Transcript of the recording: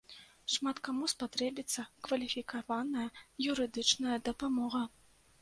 Шмат каму спатрэбіцца кваліфікаваная юрыдычная дапамога.